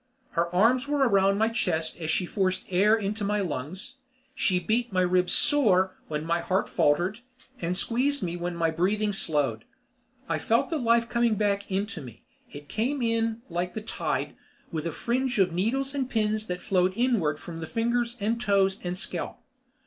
Her arms were around my chest as she forced air into my lungs. She beat my ribs sore when my heart faltered, and squeezed me when my breathing slowed. I felt the life coming back into me; it came in like the tide, with a fringe of needles and pins that flowed inward from fingers and toes and scalp.